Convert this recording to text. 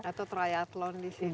atau triathlon di sini